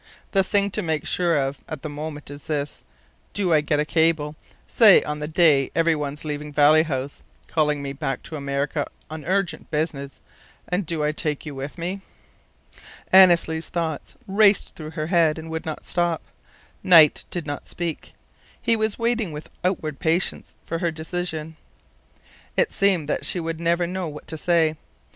The thing to make sure of at the moment is this: Do I get a cable, say on the day everyone's leaving Valley House, calling me back to America on urgent business, and do I take you with me?" Annesley's thoughts raced through her head and would not stop. Knight did not speak. He was waiting with outward patience for her decision. It seemed that she would never know what to say.